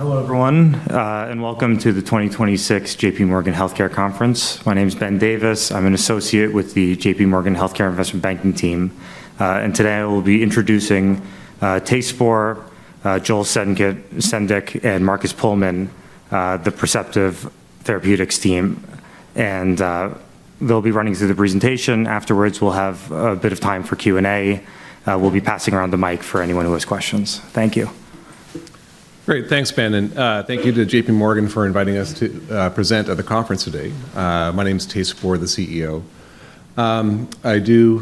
Hello everyone, and welcome to the 2026 JPMorgan Healthcare Conference. My name is Ben Davis. I'm an associate with the JPMorgan Healthcare Investment Banking team, and today I will be introducing Thijs Spoor, Joel Sendek, and Markus Puhlmann, the Perspective Therapeutics team, and they'll be running through the presentation. Afterwards, we'll have a bit of time for Q&A. We'll be passing around the mic for anyone who has questions. Thank you. Great. Thanks, Ben, and thank you to JPMorgan for inviting us to present at the conference today. My name is Thijs Spoor, the CEO. I do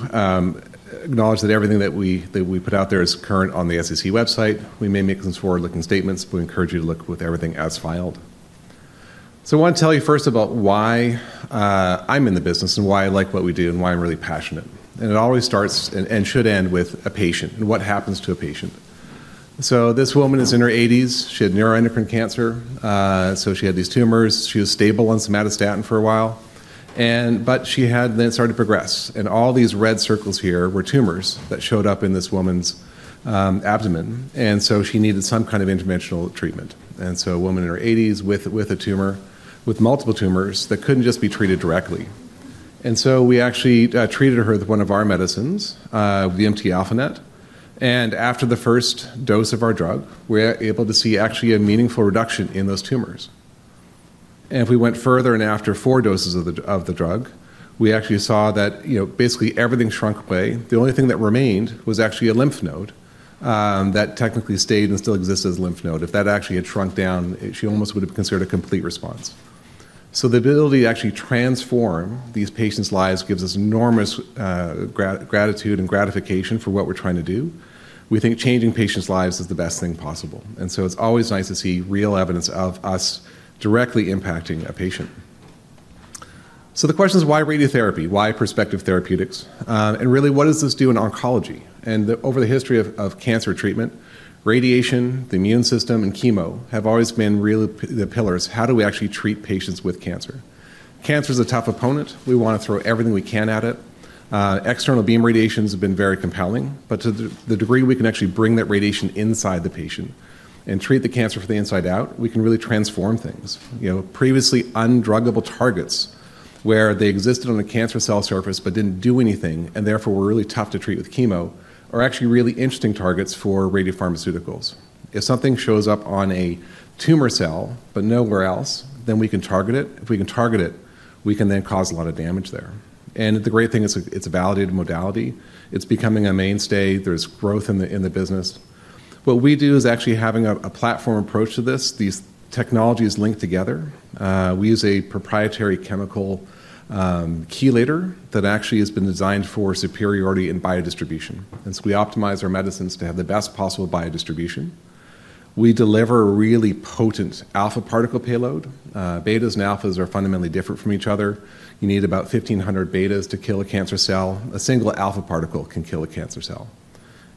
acknowledge that everything that we put out there is current on the SEC website. We may make some forward-looking statements, but we encourage you to look with everything as filed, so I want to tell you first about why I'm in the business, and why I like what we do, and why I'm really passionate, and it always starts and should end with a patient and what happens to a patient, so this woman is in her 80s. She had neuroendocrine cancer, so she had these tumors. She was stable on some atorvastatin for a while, but she had then started to progress, and all these red circles here were tumors that showed up in this woman's abdomen. And so she needed some kind of interventional treatment. And so a woman in her 80s with a tumor, with multiple tumors, that couldn't just be treated directly. And so we actually treated her with one of our medicines, the VMT-α-NET. And after the first dose of our drug, we were able to see actually a meaningful reduction in those tumors. And if we went further and after four doses of the drug, we actually saw that basically everything shrunk away. The only thing that remained was actually a lymph node that technically stayed and still exists as a lymph node. If that actually had shrunk down, she almost would have considered a complete response, so the ability to actually transform these patients' lives gives us enormous gratitude and gratification for what we're trying to do. We think changing patients' lives is the best thing possible. And so it's always nice to see real evidence of us directly impacting a patient. So the question is, why radiotherapy? Why Perspective Therapeutics? And really, what does this do in oncology? And over the history of cancer treatment, radiation, the immune system, and chemo have always been really the pillars. How do we actually treat patients with cancer? Cancer is a tough opponent. We want to throw everything we can at it. External beam radiations have been very compelling. But to the degree we can actually bring that radiation inside the patient and treat the cancer from the inside out, we can really transform things. Previously undruggable targets, where they existed on a cancer cell surface but didn't do anything, and therefore were really tough to treat with chemo, are actually really interesting targets for radiopharmaceuticals. If something shows up on a tumor cell but nowhere else, then we can target it. If we can target it, we can then cause a lot of damage there, and the great thing is it's a validated modality. It's becoming a mainstay. There's growth in the business. What we do is actually having a platform approach to this. These technologies link together. We use a proprietary chemical chelator that actually has been designed for superiority in biodistribution, and so we optimize our medicines to have the best possible biodistribution. We deliver a really potent alpha particle payload. Betas and alphas are fundamentally different from each other. You need about 1,500 betas to kill a cancer cell. A single alpha particle can kill a cancer cell.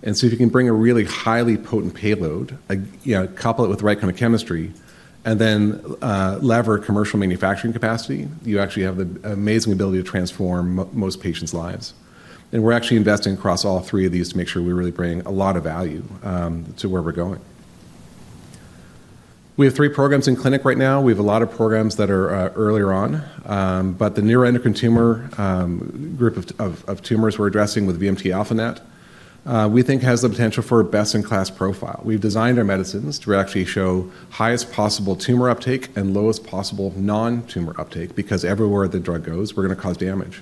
And so if you can bring a really highly potent payload, couple it with the right kind of chemistry, and then lever commercial manufacturing capacity, you actually have the amazing ability to transform most patients' lives. And we're actually investing across all three of these to make sure we really bring a lot of value to where we're going. We have three programs in clinic right now. We have a lot of programs that are earlier on. But the neuroendocrine tumor group of tumors we're addressing with VMT-α-NET, we think has the potential for a best-in-class profile. We've designed our medicines to actually show highest possible tumor uptake and lowest possible non-tumor uptake because everywhere the drug goes, we're going to cause damage.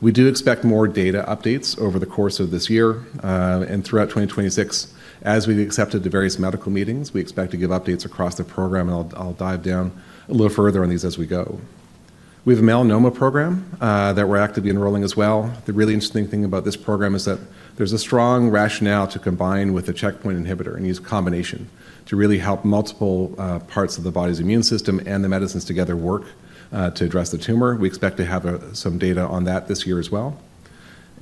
We do expect more data updates over the course of this year and throughout 2026. As we've accepted the various medical meetings, we expect to give updates across the program. I'll dive down a little further on these as we go. We have a melanoma program that we're actively enrolling as well. The really interesting thing about this program is that there's a strong rationale to combine with a checkpoint inhibitor and use combination to really help multiple parts of the body's immune system and the medicines together work to address the tumor. We expect to have some data on that this year as well.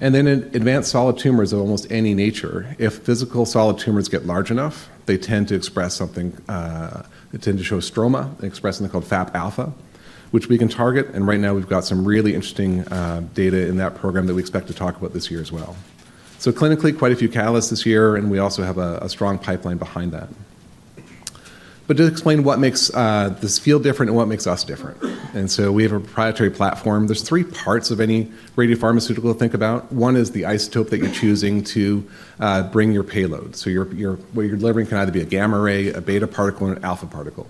Then advanced solid tumors of almost any nature, if physical solid tumors get large enough, they tend to express something. They tend to show stroma, express something called FAP-α, which we can target. Right now, we've got some really interesting data in that program that we expect to talk about this year as well. Clinically, quite a few catalysts this year, and we also have a strong pipeline behind that. But to explain what makes this feel different and what makes us different. And so we have a proprietary platform. There are three parts of any radiopharmaceutical to think about. One is the isotope that you're choosing to bring your payload. So what you're delivering can either be a gamma ray, a beta particle, or an alpha particle.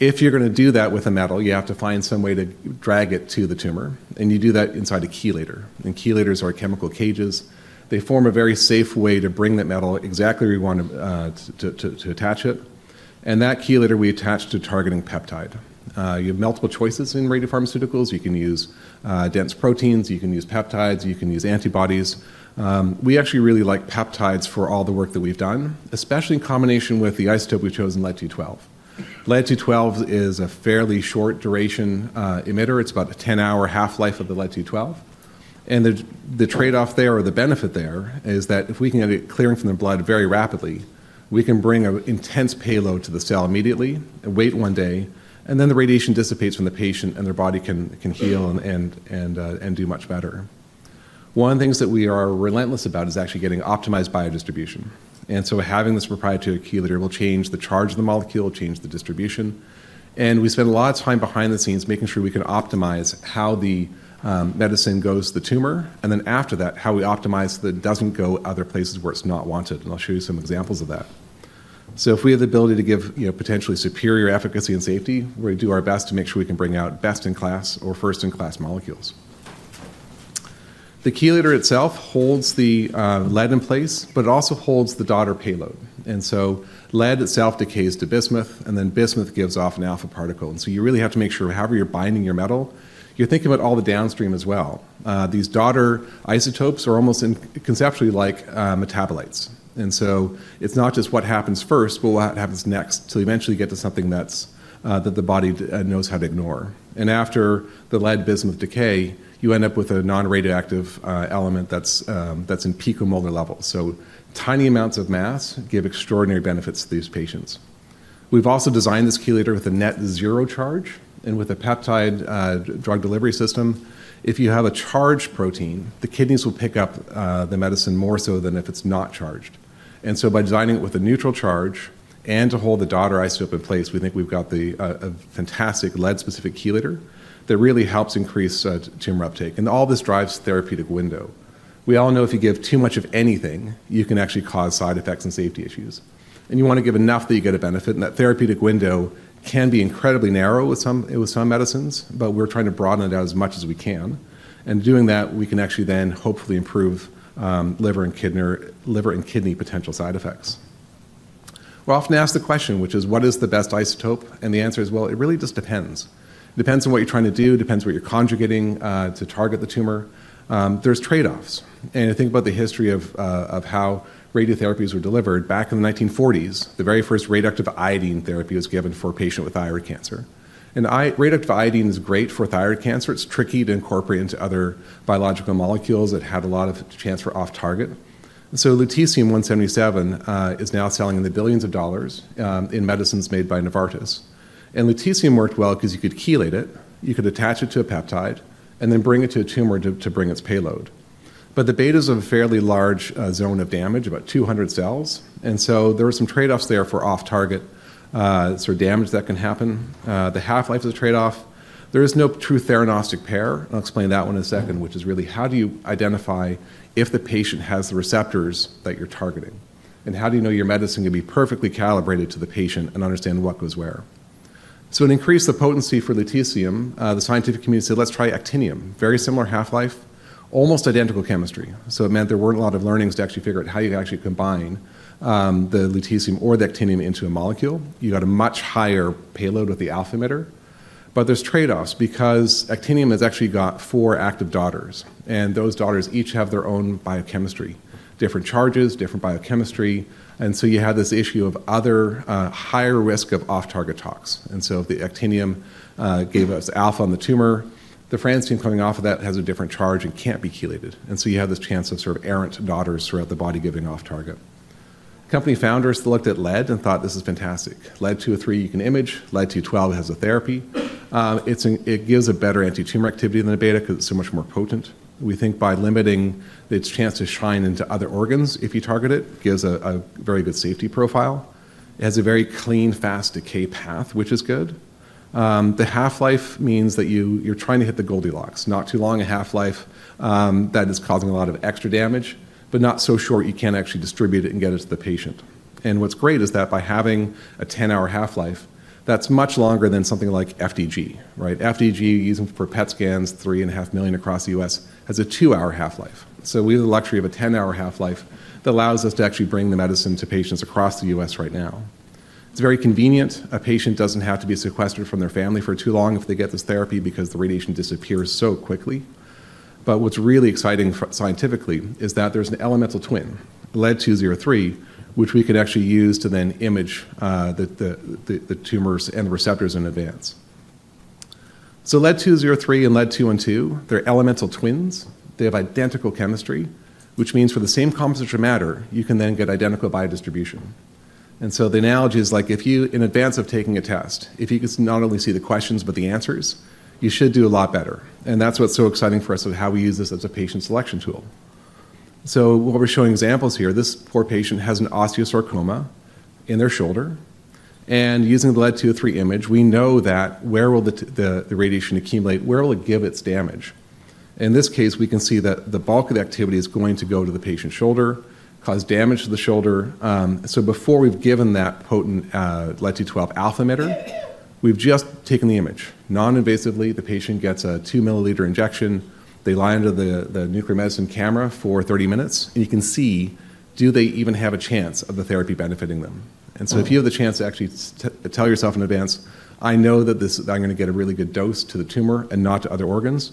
If you're going to do that with a metal, you have to find some way to drag it to the tumor. And you do that inside a chelator. And chelators are chemical cages. They form a very safe way to bring that metal exactly where you want to attach it. And that chelator, we attach to targeting peptide. You have multiple choices in radiopharmaceuticals. You can use dense proteins. You can use peptides. You can use antibodies. We actually really like peptides for all the work that we've done, especially in combination with the isotope we've chosen, lead-212. Lead-212 is a fairly short-duration emitter. It's about a 10-hour half-life of the lead-212, and the trade-off there or the benefit there is that if we can get it clearing from the blood very rapidly, we can bring an intense payload to the cell immediately, wait one day, and then the radiation dissipates from the patient, and their body can heal and do much better. One of the things that we are relentless about is actually getting optimized biodistribution, and so having this proprietary chelator will change the charge of the molecule, change the distribution. And we spend a lot of time behind the scenes making sure we can optimize how the medicine goes to the tumor, and then after that, how we optimize that it doesn't go other places where it's not wanted. And I'll show you some examples of that. So if we have the ability to give potentially superior efficacy and safety, we're going to do our best to make sure we can bring out best-in-class or first-in-class molecules. The chelator itself holds the lead in place, but it also holds the daughter payload. And so lead itself decays to bismuth, and then bismuth gives off an alpha particle. And so you really have to make sure however you're binding your metal, you're thinking about all the downstream as well. These daughter isotopes are almost conceptually like metabolites. It's not just what happens first, but what happens next to eventually get to something that the body knows how to ignore. After the lead-bismuth decay, you end up with a non-radioactive element that's in picomolar levels. Tiny amounts of mass give extraordinary benefits to these patients. We've also designed this chelator with a net-zero charge. With a peptide drug delivery system, if you have a charged protein, the kidneys will pick up the medicine more so than if it's not charged. By designing it with a neutral charge and to hold the daughter isotope in place, we think we've got a fantastic lead-specific chelator that really helps increase tumor uptake. All this drives therapeutic window. We all know if you give too much of anything, you can actually cause side effects and safety issues. And you want to give enough that you get a benefit. And that therapeutic window can be incredibly narrow with some medicines, but we're trying to broaden it out as much as we can. And doing that, we can actually then hopefully improve liver and kidney potential side effects. We're often asked the question, which is, what is the best isotope? And the answer is, well, it really just depends. It depends on what you're trying to do. It depends on what you're conjugating to target the tumor. There's trade-offs. And I think about the history of how radiotherapies were delivered. Back in the 1940s, the very first radioactive iodine therapy was given for a patient with thyroid cancer. And radioactive iodine is great for thyroid cancer. It's tricky to incorporate into other biological molecules. It had a lot of chance for off-target. And so lutetium-177 is now selling in the billions of dollars in medicines made by Novartis. And lutetium worked well because you could chelate it. You could attach it to a peptide and then bring it to a tumor to bring its payload. But the betas have a fairly large zone of damage, about 200 cells. And so there are some trade-offs there for off-target, sort of damage that can happen. The half-life is a trade-off. There is no true theranostic pair. I'll explain that one in a second, which is really how do you identify if the patient has the receptors that you're targeting? And how do you know your medicine can be perfectly calibrated to the patient and understand what goes where? So to increase the potency for lutetium, the scientific community said, let's try actinium. Very similar half-life, almost identical chemistry. So it meant there weren't a lot of learnings to actually figure out how you actually combine the lutetium or the actinium into a molecule. You got a much higher payload with the alpha emitter. But there's trade-offs because actinium has actually got four active daughters. And those daughters each have their own biochemistry, different charges, different biochemistry. And so you have this issue of other higher risk of off-target toxicity. And so the actinium gave us alpha on the tumor. The francium coming off of that has a different charge and can't be chelated. And so you have this chance of sort of errant daughters throughout the body giving off-target toxicity. Company founders looked at lead and thought, this is fantastic. lead-203, you can image. lead-212 has a therapy. It gives a better anti-tumor activity than the beta because it's so much more potent. We think by limiting its chance to shine into other organs if you target it, it gives a very good safety profile. It has a very clean, fast decay path, which is good. The half-life means that you're trying to hit the Goldilocks. Not too long a half-life that is causing a lot of extra damage, but not so short you can't actually distribute it and get it to the patient. And what's great is that by having a 10-hour half-life, that's much longer than something like FDG. FDG, used for PET scans, 3.5 million across the U.S., has a two-hour half-life. So we have the luxury of a 10-hour half-life that allows us to actually bring the medicine to patients across the U.S. right now. It's very convenient. A patient doesn't have to be sequestered from their family for too long if they get this therapy because the radiation disappears so quickly. But what's really exciting scientifically is that there's an elemental twin, lead-203, which we could actually use to then image the tumors and receptors in advance. So lead-203 and lead-212, they're elemental twins. They have identical chemistry, which means for the same composite of matter, you can then get identical biodistribution. And so the analogy is like if you, in advance of taking a test, if you could not only see the questions but the answers, you should do a lot better. And that's what's so exciting for us of how we use this as a patient selection tool. So what we're showing examples here, this poor patient has an osteosarcoma in their shoulder. And using the lead-203 image, we know that where will the radiation accumulate? Where will it give its damage? In this case, we can see that the bulk of the activity is going to go to the patient's shoulder, cause damage to the shoulder. So before we've given that potent lead-212 alpha emitter, we've just taken the image. Non-invasively, the patient gets a 2 mL injection. They lie under the nuclear medicine camera for 30 minutes. And you can see, do they even have a chance of the therapy benefiting them? And so if you have the chance to actually tell yourself in advance, I know that I'm going to get a really good dose to the tumor and not to other organs,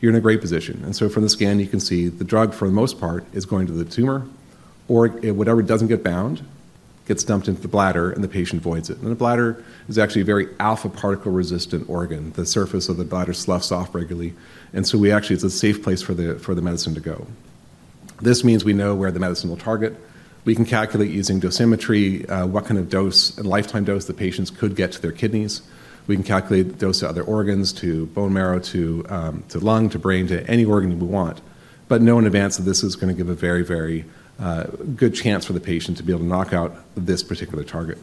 you're in a great position. And so from the scan, you can see the drug, for the most part, is going to the tumor, or whatever doesn't get bound gets dumped into the bladder, and the patient voids it. And the bladder is actually a very alpha particle-resistant organ. The surface of the bladder sloughs off regularly. And so we actually, it's a safe place for the medicine to go. This means we know where the medicine will target. We can calculate using dosimetry what kind of dose, lifetime dose the patients could get to their kidneys. We can calculate the dose to other organs, to bone marrow, to lung, to brain, to any organ we want. But know in advance that this is going to give a very, very good chance for the patient to be able to knock out this particular target.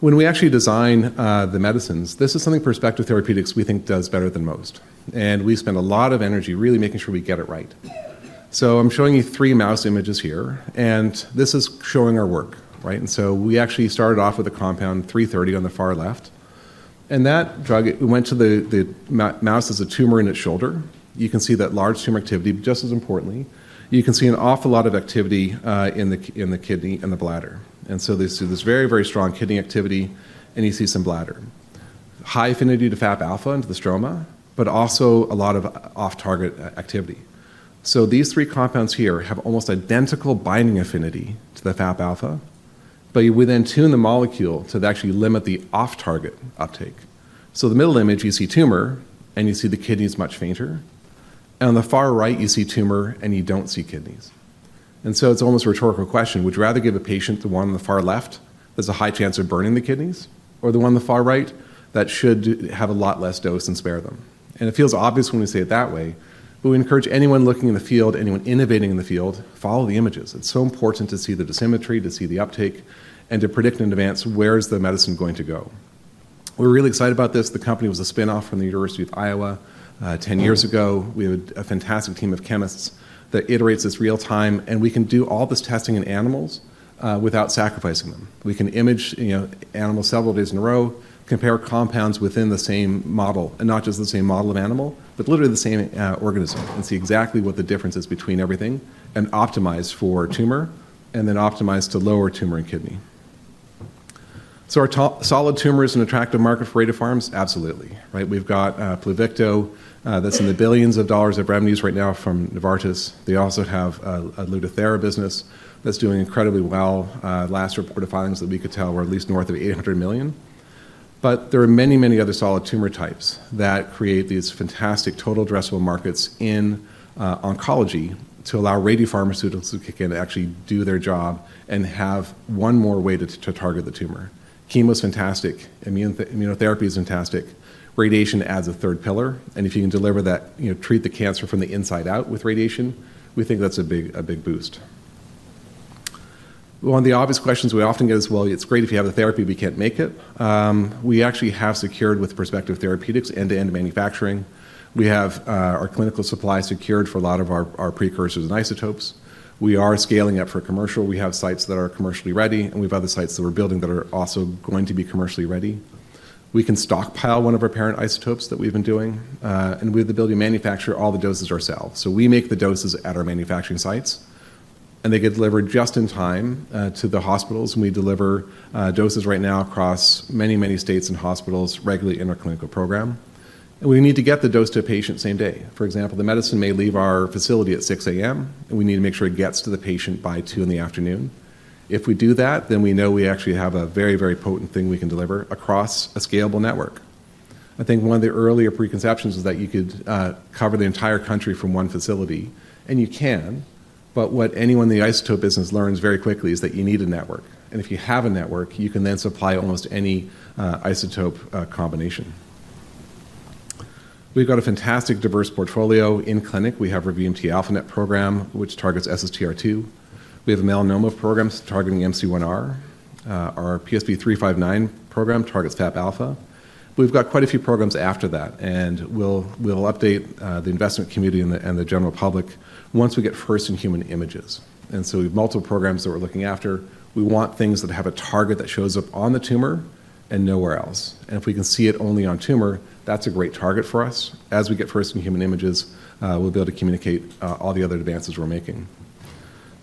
When we actually design the medicines, this is something Perspective Therapeutics we think does better than most. And we spend a lot of energy really making sure we get it right. So I'm showing you three mouse images here. And this is showing our work. And so we actually started off with a compound 330 on the far left. And that drug, it went to the mouse as a tumor in its shoulder. You can see that large tumor activity, but just as importantly, you can see an awful lot of activity in the kidney and the bladder. And so there's this very, very strong kidney activity, and you see some bladder. High affinity to FAP-α into the stroma, but also a lot of off-target activity. So these three compounds here have almost identical binding affinity to the FAP-α. But we then tune the molecule to actually limit the off-target uptake. So the middle image, you see tumor, and you see the kidneys much fainter. And on the far right, you see tumor, and you don't see kidneys. And so it's almost a rhetorical question. Would you rather give a patient the one on the far left that has a high chance of burning the kidneys or the one on the far right that should have a lot less dose and spare them? And it feels obvious when we say it that way, but we encourage anyone looking in the field, anyone innovating in the field, follow the images. It's so important to see the dosimetry, to see the uptake, and to predict in advance where's the medicine going to go. We're really excited about this. The company was a spinoff from the University of Iowa 10 years ago. We have a fantastic team of chemists that iterates in real time. We can do all this testing in animals without sacrificing them. We can image animals several days in a row, compare compounds within the same model, and not just the same model of animal, but literally the same organism, and see exactly what the difference is between everything, and optimize for tumor, and then optimize to lower tumor and kidney. So are solid tumors an attractive market for radiopharms? Absolutely. We've got Pluvicto that's in the billions of dollars in revenues right now from Novartis. They also have a Lutathera business that's doing incredibly well. Last reported figures that we could tell were at least north of $800 million. But there are many, many other solid tumor types that create these fantastic total addressable markets in oncology to allow radiopharmaceuticals to kick in and actually do their job and have one more way to target the tumor. Chemo is fantastic. Immunotherapy is fantastic. Radiation adds a third pillar. And if you can deliver that, treat the cancer from the inside out with radiation, we think that's a big boost. One of the obvious questions we often get is, well, it's great if you have the therapy, but you can't make it. We actually have secured with Perspective Therapeutics end-to-end manufacturing. We have our clinical supply secured for a lot of our precursors and isotopes. We are scaling up for commercial. We have sites that are commercially ready, and we have other sites that we're building that are also going to be commercially ready. We can stockpile one of our parent isotopes that we've been doing, and we have the ability to manufacture all the doses ourselves, so we make the doses at our manufacturing sites, and they get delivered just in time to the hospitals, and we deliver doses right now across many, many states and hospitals regularly in our clinical program, and we need to get the dose to a patient same day. For example, the medicine may leave our facility at 6:00 A.M., and we need to make sure it gets to the patient by 2:00 P.M. If we do that, then we know we actually have a very, very potent thing we can deliver across a scalable network. I think one of the earlier preconceptions was that you could cover the entire country from one facility, and you can. But what anyone in the isotope business learns very quickly is that you need a network. And if you have a network, you can then supply almost any isotope combination. We've got a fantastic diverse portfolio. In clinic, we have our VMT-α-NET program, which targets SSTR2. We have a melanoma program targeting MC1R. Our PSV359 program targets FAP-α. We've got quite a few programs after that. And we'll update the investment community and the general public once we get first-in-human images. And so we have multiple programs that we're looking after. We want things that have a target that shows up on the tumor and nowhere else. And if we can see it only on tumor, that's a great target for us. As we get first-in-human images, we'll be able to communicate all the other advances we're making.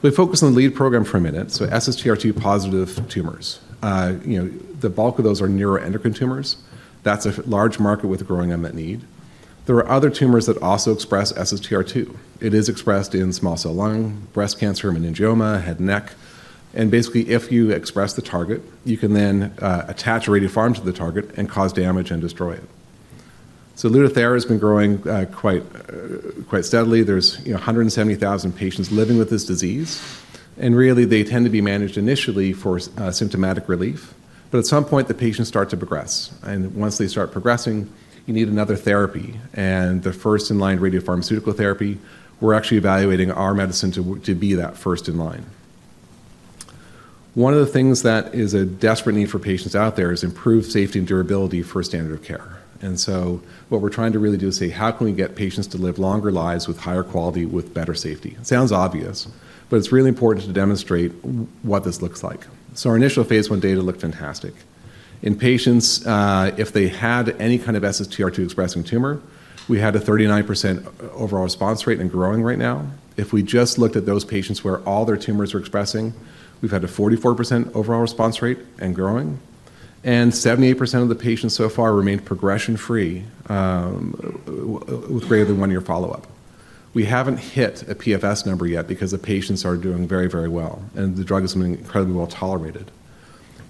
We focus on the lead program for a minute. So, SSTR2-positive tumors. The bulk of those are neuroendocrine tumors. That's a large market with growing unmet need. There are other tumors that also express SSTR2. It is expressed in small cell lung, breast cancer, meningioma, head and neck. And basically, if you express the target, you can then attach radiopharm to the target and cause damage and destroy it. So Lutathera has been growing quite steadily. There's 170,000 patients living with this disease. And really, they tend to be managed initially for symptomatic relief. But at some point, the patients start to progress. And once they start progressing, you need another therapy. And the first-in-line radiopharmaceutical therapy, we're actually evaluating our medicine to be that first-in-line. One of the things that is a desperate need for patients out there is improved safety and durability for standard of care. And so what we're trying to really do is say, how can we get patients to live longer lives with higher quality, with better safety? It sounds obvious, but it's really important to demonstrate what this looks like. So our initial phase one data looked fantastic. In patients, if they had any kind of SSTR2 expressing tumor, we had a 39% overall response rate and growing right now. If we just looked at those patients where all their tumors were expressing, we've had a 44% overall response rate and growing. And 78% of the patients so far remained progression-free with greater than one-year follow-up. We haven't hit a PFS number yet because the patients are doing very, very well. And the drug is incredibly well tolerated.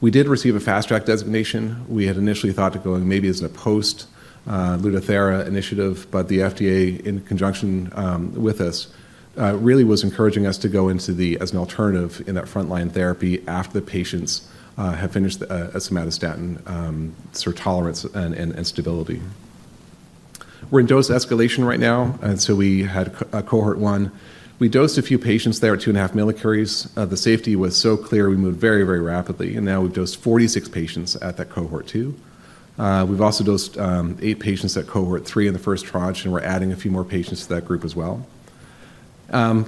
We did receive a fast-track designation. We had initially thought to go in maybe as a post-Lutathera initiative, but the FDA in conjunction with us really was encouraging us to go into the as an alternative in that front-line therapy after the patients have finished a somatostatin sort of tolerance and stability. We're in dose escalation right now, and so we had cohort one. We dosed a few patients there at 2.5 millicuries. The safety was so clear, we moved very, very rapidly, and now we've dosed 46 patients at that cohort two. We've also dosed eight patients at cohort three in the first tranche, and we're adding a few more patients to that group as well.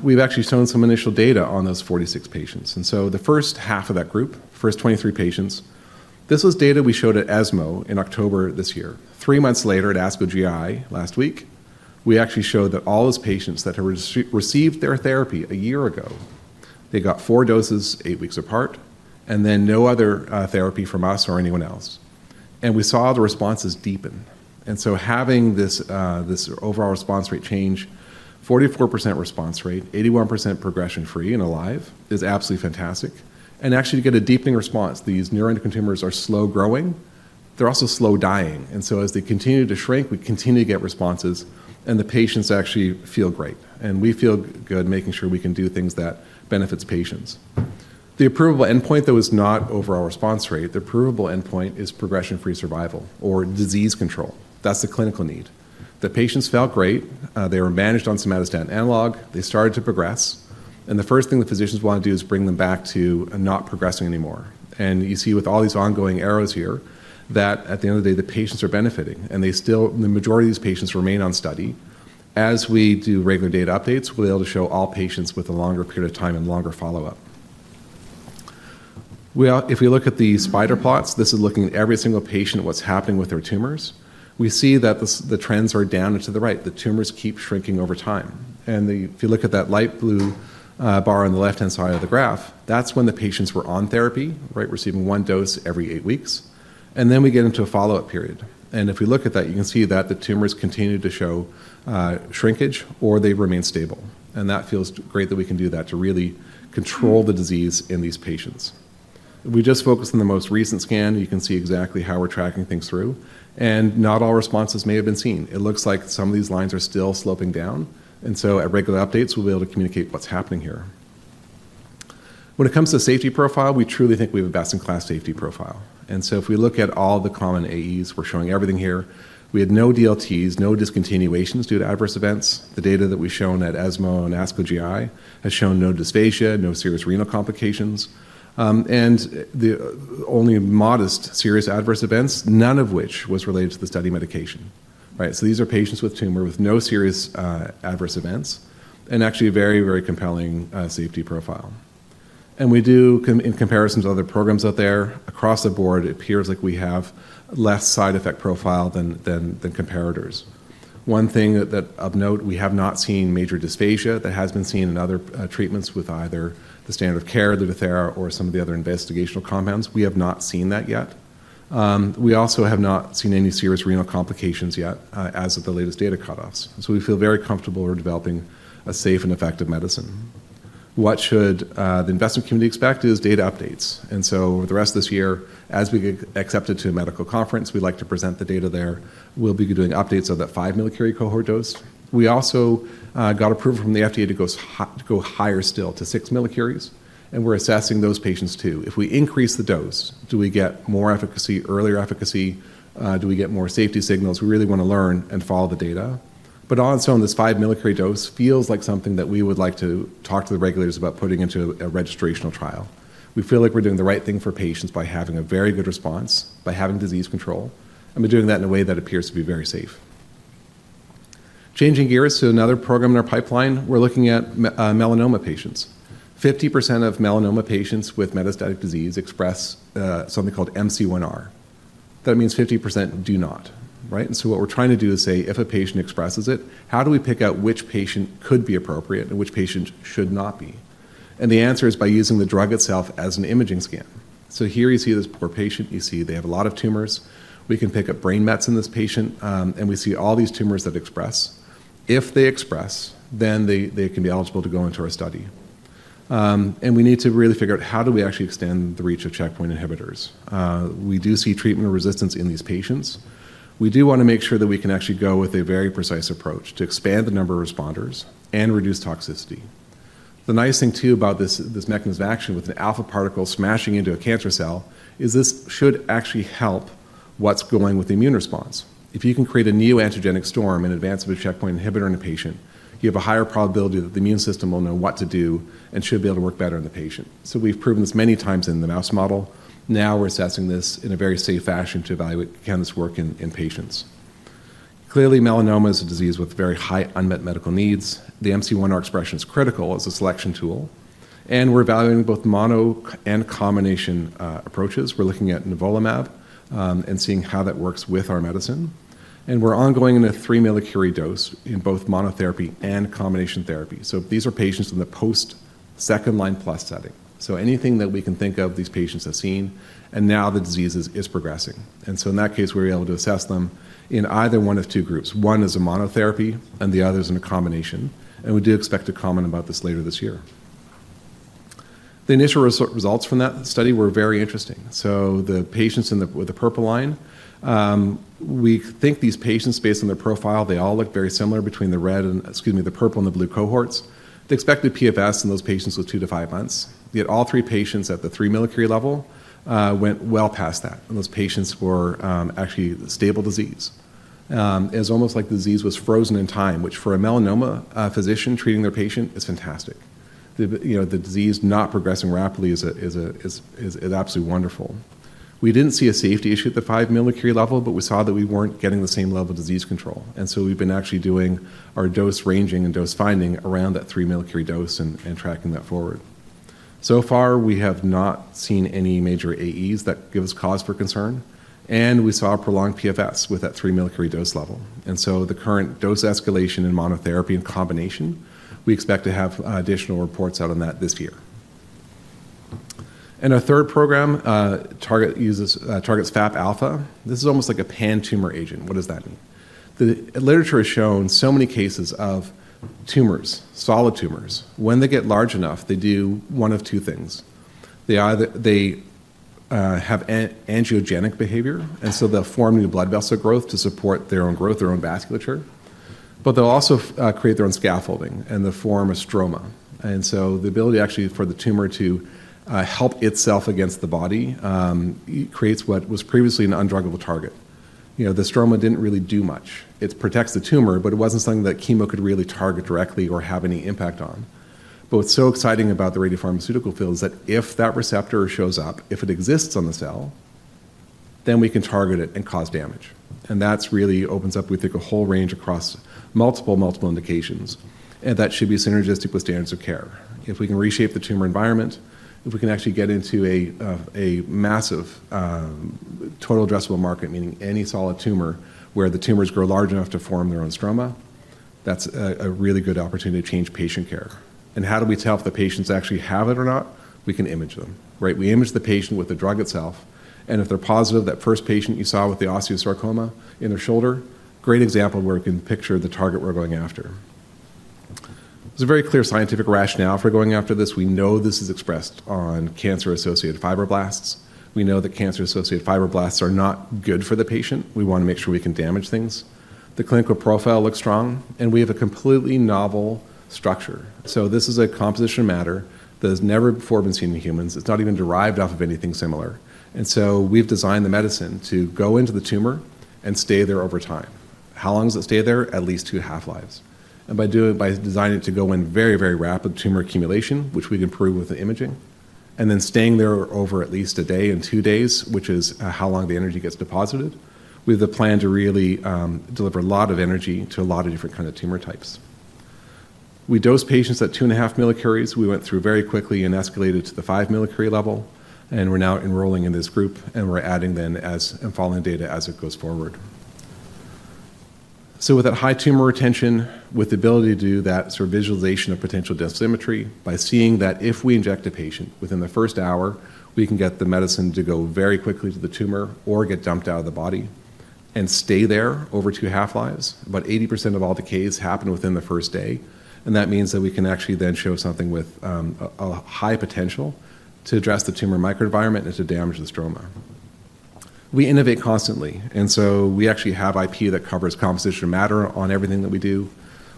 We've actually shown some initial data on those 46 patients, and so the first half of that group, first 23 patients, this was data we showed at ESMO in October this year. Three months later at ASCO GI last week, we actually showed that all those patients that had received their therapy a year ago, they got four doses eight weeks apart, and then no other therapy from us or anyone else, and we saw the responses deepen, and so having this overall response rate change, 44% response rate, 81% progression-free and alive is absolutely fantastic, and actually, to get a deepening response, these neuroendocrine tumors are slow growing. They're also slow dying, and so as they continue to shrink, we continue to get responses, and the patients actually feel great, and we feel good making sure we can do things that benefit patients. The approval endpoint, though, is not overall response rate. The approval endpoint is progression-free survival or disease control. That's the clinical need. The patients felt great. They were managed on somatostatin analog. They started to progress. And the first thing the physicians want to do is bring them back to not progressing anymore. And you see with all these ongoing arrows here that at the end of the day, the patients are benefiting. And the majority of these patients remain on study. As we do regular data updates, we'll be able to show all patients with a longer period of time and longer follow-up. If we look at the spider plots, this is looking at every single patient, what's happening with their tumors. We see that the trends are down and to the right. The tumors keep shrinking over time. And if you look at that light blue bar on the left-hand side of the graph, that's when the patients were on therapy, receiving one dose every eight weeks. And then we get into a follow-up period. If we look at that, you can see that the tumors continue to show shrinkage or they remain stable. That feels great that we can do that to really control the disease in these patients. We just focused on the most recent scan. You can see exactly how we're tracking things through. Not all responses may have been seen. It looks like some of these lines are still sloping down. So at regular updates, we'll be able to communicate what's happening here. When it comes to safety profile, we truly think we have a best-in-class safety profile. So if we look at all the common AEs, we're showing everything here. We had no DLTs, no discontinuations due to adverse events. The data that we've shown at ESMO and ASCO GI has shown no dysphagia, no serious renal complications, and only modest serious adverse events, none of which was related to the study medication. So these are patients with tumor with no serious adverse events and actually a very, very compelling safety profile. And in comparison to other programs out there, across the board, it appears like we have less side effect profile than comparators. One thing of note, we have not seen major dysphagia that has been seen in other treatments with either the standard of care, Lutathera, or some of the other investigational compounds. We have not seen that yet. We also have not seen any serious renal complications yet as of the latest data cutoffs. So we feel very comfortable we're developing a safe and effective medicine. What should the investment community expect? It's data updates. And so over the rest of this year, as we get accepted to a medical conference, we'd like to present the data there. We'll be doing updates of that 5 millicuries cohort dose. We also got approval from the FDA to go higher still to 6 millicuries. And we're assessing those patients too. If we increase the dose, do we get more efficacy, earlier efficacy? Do we get more safety signals? We really want to learn and follow the data. But all in a sense, this 5 millicuries dose feels like something that we would like to talk to the regulators about putting into a registrational trial. We feel like we're doing the right thing for patients by having a very good response, by having disease control, and by doing that in a way that appears to be very safe. Changing gears to another program in our pipeline, we're looking at melanoma patients. 50% of melanoma patients with metastatic disease express something called MC1R. That means 50% do not, and so what we're trying to do is say, if a patient expresses it, how do we pick out which patient could be appropriate and which patient should not be, and the answer is by using the drug itself as an imaging scan, so here you see this poor patient. You see they have a lot of tumors. We can pick up brain mets in this patient, and we see all these tumors that express. If they express, then they can be eligible to go into our study, and we need to really figure out how do we actually extend the reach of checkpoint inhibitors. We do see treatment resistance in these patients. We do want to make sure that we can actually go with a very precise approach to expand the number of responders and reduce toxicity. The nice thing too about this mechanism of action with an alpha particle smashing into a cancer cell is this should actually help what's going with the immune response. If you can create a new antigenic storm in advance of a checkpoint inhibitor in a patient, you have a higher probability that the immune system will know what to do and should be able to work better in the patient. So we've proven this many times in the mouse model. Now we're assessing this in a very safe fashion to evaluate can this work in patients. Clearly, melanoma is a disease with very high unmet medical needs. The MC1R expression is critical as a selection tool, and we're evaluating both mono and combination approaches. We're looking at nivolumab and seeing how that works with our medicine, and we're ongoing in a 3-millicurie dose in both monotherapy and combination therapy, so these are patients in the post-second-line plus setting, so anything that we can think of, these patients have seen, and now the disease is progressing, and so in that case, we're able to assess them in either one of two groups. One is a monotherapy, and the other is in a combination, and we do expect to comment about this later this year. The initial results from that study were very interesting, so the patients with the purple line, we think these patients, based on their profile, they all look very similar between the purple and the blue cohorts. The expected PFS in those patients was two to five months. Yet all three patients at the 3-millicurie level went well past that. Those patients were actually stable disease. It's almost like the disease was frozen in time, which for a melanoma physician treating their patient, it's fantastic. The disease not progressing rapidly is absolutely wonderful. We didn't see a safety issue at the five millicuries level, but we saw that we weren't getting the same level of disease control. And so we've been actually doing our dose ranging and dose finding around that 3 millicuries dose and tracking that forward. So far, we have not seen any major AEs that give us cause for concern. And we saw prolonged PFS with that 3-millicuries dose level. And so the current dose escalation in monotherapy and combination, we expect to have additional reports out on that this year. And our third program targets FAP-α. This is almost like a pan-tumor agent. What does that mean? The literature has shown so many cases of tumors, solid tumors. When they get large enough, they do one of two things. They have angiogenic behavior, and so they'll form new blood vessel growth to support their own growth, their own vasculature, but they'll also create their own scaffolding and they'll form a stroma, and so the ability actually for the tumor to help itself against the body creates what was previously an undruggable target. The stroma didn't really do much. It protects the tumor, but it wasn't something that chemo could really target directly or have any impact on, but what's so exciting about the radiopharmaceutical field is that if that receptor shows up, if it exists on the cell, then we can target it and cause damage, and that really opens up, we think, a whole range across multiple, multiple indications. And that should be synergistic with standards of care. If we can reshape the tumor environment, if we can actually get into a massive total addressable market, meaning any solid tumor where the tumors grow large enough to form their own stroma, that's a really good opportunity to change patient care. And how do we tell if the patients actually have it or not? We can image them. We image the patient with the drug itself. And if they're positive, that first patient you saw with the osteosarcoma in their shoulder, great example where we can picture the target we're going after. There's a very clear scientific rationale for going after this. We know this is expressed on cancer-associated fibroblasts. We know that cancer-associated fibroblasts are not good for the patient. We want to make sure we can damage things. The clinical profile looks strong, and we have a completely novel structure, so this is a composition of matter that has never before been seen in humans. It's not even derived off of anything similar, and so we've designed the medicine to go into the tumor and stay there over time. How long does it stay there? At least two half-lives, and by designing it to go in very, very rapid tumor accumulation, which we can prove with the imaging, and then staying there over at least a day and two days, which is how long the energy gets deposited, we have the plan to really deliver a lot of energy to a lot of different kinds of tumor types. We dose patients at 2.5 millicuries. We went through very quickly and escalated to the 5-millicurie level. And we're now enrolling in this group, and we're adding then and following data as it goes forward. So with that high tumor retention, with the ability to do that sort of visualization of potential dosimetry by seeing that if we inject a patient within the first hour, we can get the medicine to go very quickly to the tumor or get dumped out of the body and stay there over two half-lives. About 80% of all decays happen within the first day. And that means that we can actually then show something with a high potential to address the tumor microenvironment and to damage the stroma. We innovate constantly. And so we actually have IP that covers composition of matter on everything that we do.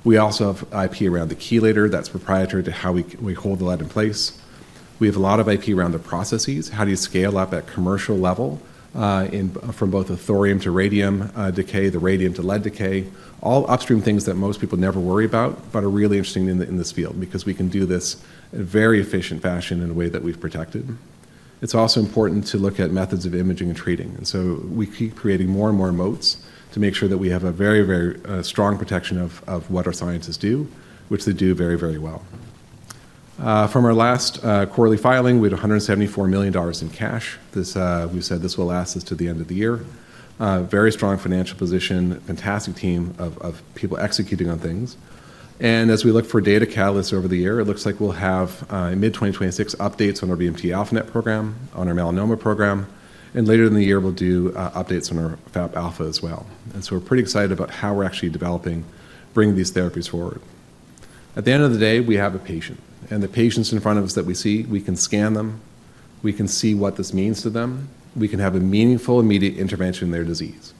We also have IP around the chelator that's proprietary to how we hold the lead in place. We have a lot of IP around the processes. How do you scale up at commercial level from both the thorium to radium decay, the radium to lead decay, all upstream things that most people never worry about, but are really interesting in this field because we can do this in a very efficient fashion in a way that we've protected? It's also important to look at methods of imaging and treating, and so we keep creating more and more moats to make sure that we have a very, very strong protection of what our scientists do, which they do very, very well. From our last quarterly filing, we had $174 million in cash. We said this will last us to the end of the year. Very strong financial position, fantastic team of people executing on things. As we look for data catalysts over the year, it looks like we'll have mid-2026 updates on our VMT-α-NET program, on our melanoma program. And later in the year, we'll do updates on our FAP-α as well. And so we're pretty excited about how we're actually developing, bringing these therapies forward. At the end of the day, we have a patient. And the patients in front of us that we see, we can scan them. We can see what this means to them. We can have a meaningful, immediate intervention in their disease.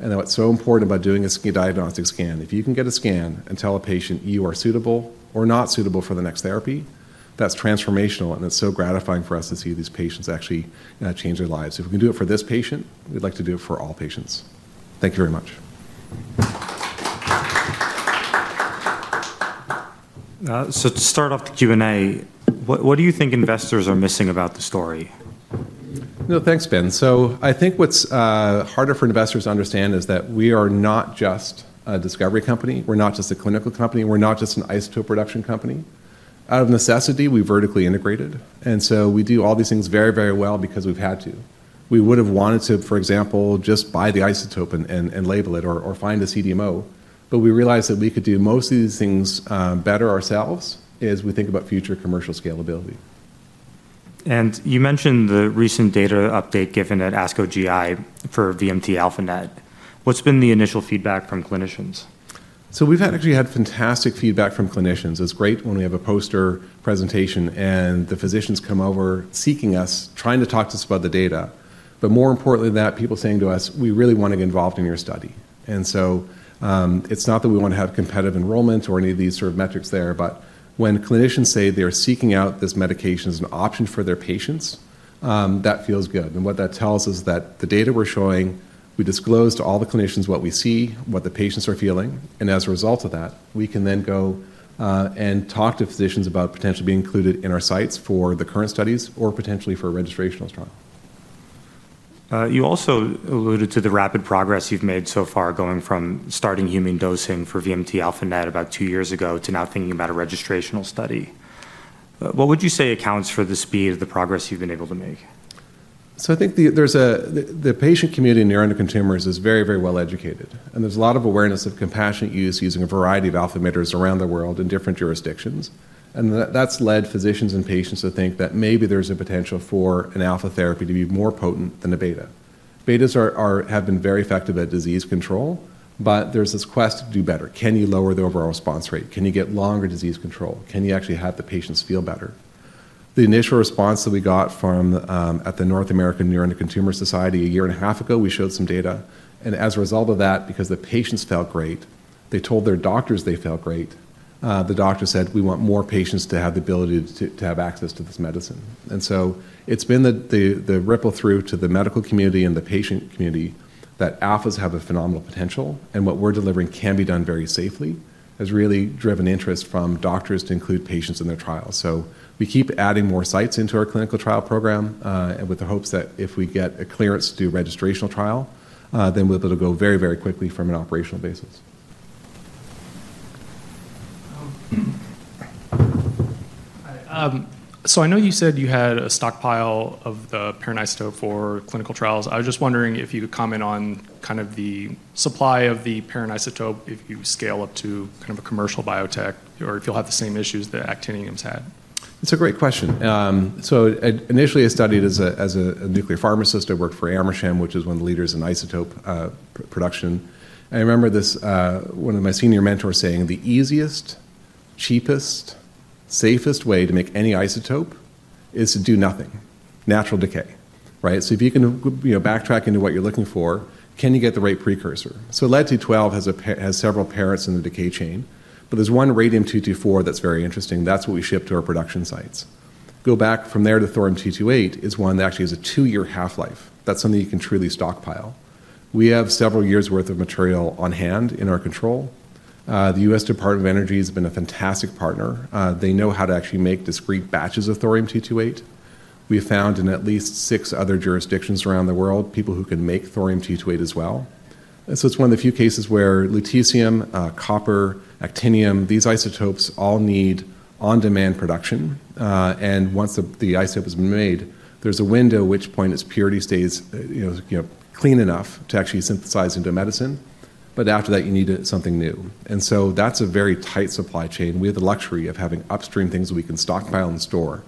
And what's so important about doing a diagnostic scan, if you can get a scan and tell a patient you are suitable or not suitable for the next therapy, that's transformational. And it's so gratifying for us to see these patients actually change their lives. If we can do it for this patient, we'd like to do it for all patients. Thank you very much. So to start off the Q&A, what do you think investors are missing about the story? Thanks, Ben. So I think what's harder for investors to understand is that we are not just a discovery company. We're not just a clinical company. We're not just an isotope production company. Out of necessity, we vertically integrated. And so we do all these things very, very well because we've had to. We would have wanted to, for example, just buy the isotope and label it or find a CDMO. But we realized that we could do most of these things better ourselves as we think about future commercial scalability. You mentioned the recent data update given at ASCO GI for VMT-α-NET. What's been the initial feedback from clinicians? So we've actually had fantastic feedback from clinicians. It's great when we have a poster presentation and the physicians come over seeking us, trying to talk to us about the data. But more importantly than that, people saying to us, "We really want to get involved in your study." And so it's not that we want to have competitive enrollment or any of these sort of metrics there. But when clinicians say they're seeking out this medication as an option for their patients, that feels good. And what that tells us is that the data we're showing, we disclose to all the clinicians what we see, what the patients are feeling. And as a result of that, we can then go and talk to physicians about potentially being included in our sites for the current studies or potentially for registrational trial. You also alluded to the rapid progress you've made so far going from starting human dosing for VMT-α-NET about two years ago to now thinking about a registrational study. What would you say accounts for the speed of the progress you've been able to make? So I think the patient community in neuroendocrine tumors is very, very well educated. And there's a lot of awareness of compassionate use using a variety of alpha emitters around the world in different jurisdictions. And that's led physicians and patients to think that maybe there's a potential for an alpha therapy to be more potent than a beta. Betas have been very effective at disease control, but there's this quest to do better. Can you lower the overall response rate? Can you get longer disease control? Can you actually have the patients feel better? The initial response that we got from at the North American Neuroendocrine Tumor Society a year and a half ago, we showed some data. And as a result of that, because the patients felt great, they told their doctors they felt great. The doctor said, "We want more patients to have the ability to have access to this medicine." And so it's been the ripple through to the medical community and the patient community that alphas have a phenomenal potential. And what we're delivering can be done very safely has really driven interest from doctors to include patients in their trials. So we keep adding more sites into our clinical trial program with the hopes that if we get a clearance to do a registrational trial, then we'll be able to go very, very quickly from an operational basis. So I know you said you had a stockpile of the parent isotope for clinical trials. I was just wondering if you could comment on kind of the supply of the parent isotope if you scale up to kind of a commercial biotech or if you'll have the same issues that actinium's had. That's a great question. So initially, I studied as a nuclear pharmacist. I worked for Amersham, which is one of the leaders in isotope production. I remember one of my senior mentors saying, "The easiest, cheapest, safest way to make any isotope is to do nothing. Natural decay." So if you can backtrack into what you're looking for, can you get the right precursor? So lead-212 has several parents in the decay chain. But there's one radium-224 that's very interesting. That's what we ship to our production sites. Go back from there to thorium-228 is one that actually has a two-year half-life. That's something you can truly stockpile. We have several years' worth of material on hand in our control. The U.S. Department of Energy has been a fantastic partner. They know how to actually make discrete batches of thorium-228. We have found in at least six other jurisdictions around the world people who can make thorium-228 as well. And so it's one of the few cases where lutetium, copper, actinium, these isotopes all need on-demand production. And once the isotope has been made, there's a window at which point its purity stays clean enough to actually synthesize into medicine. But after that, you need something new. And so that's a very tight supply chain. We have the luxury of having upstream things we can stockpile and store.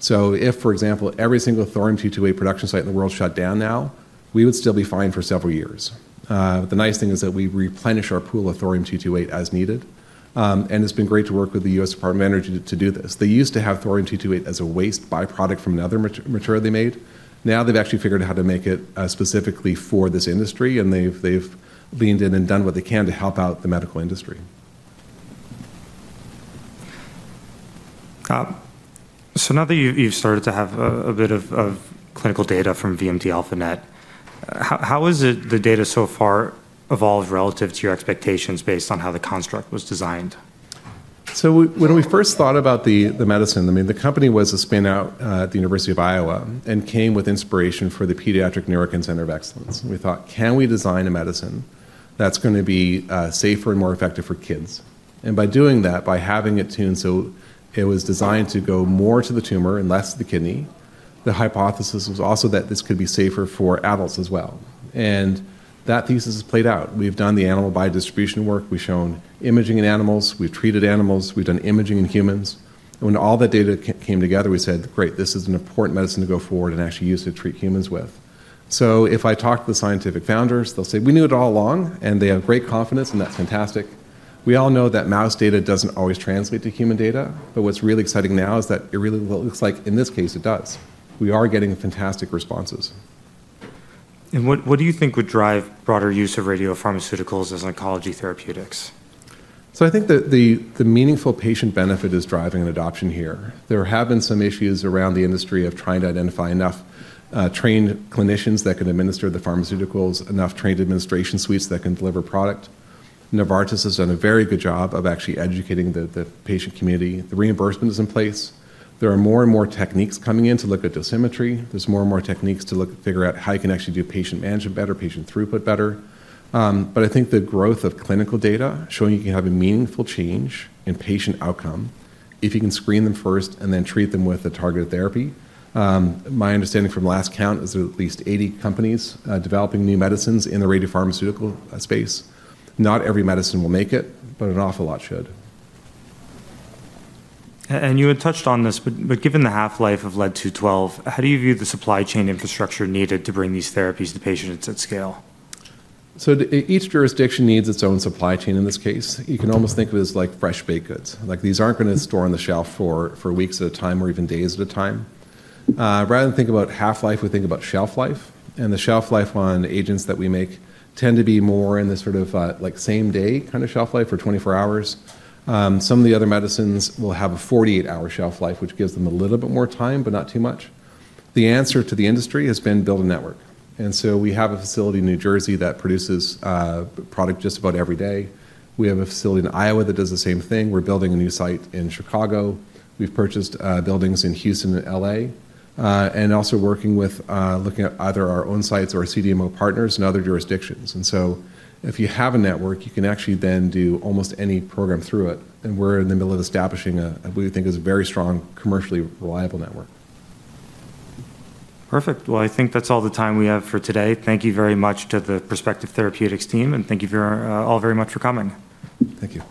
So if, for example, every single thorium-228 production site in the world shut down now, we would still be fine for several years. The nice thing is that we replenish our pool of thorium-228 as needed. And it's been great to work with the U.S. Department of Energy to do this. They used to have thorium-228 as a waste byproduct from another material they made. Now they've actually figured out how to make it specifically for this industry. And they've leaned in and done what they can to help out the medical industry. Now that you've started to have a bit of clinical data from VMT-α-NET, how has the data so far evolved relative to your expectations based on how the construct was designed? So when we first thought about the medicine, I mean, the company was a spin-out at the University of Iowa and came with inspiration for the Pediatric Neuroendocrine Center of Excellence. We thought, can we design a medicine that's going to be safer and more effective for kids? And by doing that, by having it tuned so it was designed to go more to the tumor and less to the kidney, the hypothesis was also that this could be safer for adults as well. And that thesis has played out. We've done the animal biodistribution work. We've shown imaging in animals. We've treated animals. We've done imaging in humans. And when all that data came together, we said, "Great. This is an important medicine to go forward and actually use to treat humans with," so if I talk to the scientific founders, they'll say, "We knew it all along," and they have great confidence, and that's fantastic. We all know that mouse data doesn't always translate to human data, but what's really exciting now is that it really looks like, in this case, it does. We are getting fantastic responses. What do you think would drive broader use of radiopharmaceuticals as oncology therapeutics? I think that the meaningful patient benefit is driving an adoption here. There have been some issues around the industry of trying to identify enough trained clinicians that can administer the pharmaceuticals, enough trained administration suites that can deliver product. Novartis has done a very good job of actually educating the patient community. The reimbursement is in place. There are more and more techniques coming in to look at dosimetry. There's more and more techniques to figure out how you can actually do patient management better, patient throughput better. But I think the growth of clinical data showing you can have a meaningful change in patient outcome if you can screen them first and then treat them with a targeted therapy. My understanding from last count is there are at least 80 companies developing new medicines in the radiopharmaceutical space. Not every medicine will make it, but an awful lot should. You had touched on this. But given the half-life of lead-212, how do you view the supply chain infrastructure needed to bring these therapies to patients at scale? So each jurisdiction needs its own supply chain in this case. You can almost think of it as like fresh baked goods. These aren't going to store on the shelf for weeks at a time or even days at a time. Rather than think about half-life, we think about shelf life. And the shelf life on agents that we make tend to be more in this sort of same-day kind of shelf life for 24 hours. Some of the other medicines will have a 48-hour shelf life, which gives them a little bit more time, but not too much. The answer to the industry has been build a network. And so we have a facility in New Jersey that produces product just about every day. We have a facility in Iowa that does the same thing. We're building a new site in Chicago. We've purchased buildings in Houston and LA and also working with looking at either our own sites or CDMO partners in other jurisdictions, so if you have a network, you can actually then do almost any program through it, and we're in the middle of establishing what we think is a very strong, commercially reliable network. Perfect. Well, I think that's all the time we have for today. Thank you very much to the Perspective Therapeutics team. And thank you all very much for coming. Thank you.